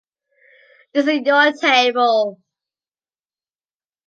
This is your table.